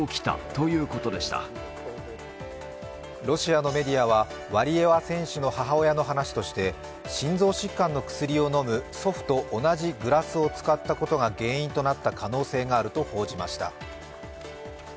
ロシアのメディアはワリエワ選手の母親の話として心臓疾患の薬を飲む祖父と同じグラスを使ったことが原因となった可能性があると報じました。